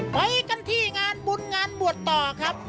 ไปกันที่งานบุญงานบวชต่อครับ